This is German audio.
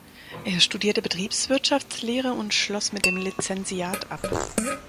Er studierte Betriebswirtschaftslehre und schloss mit dem Lizenziat ab.